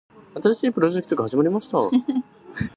新しいプロジェクトが始まりました。